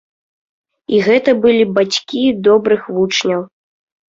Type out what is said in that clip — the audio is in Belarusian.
І гэта былі бацькі добрых вучняў.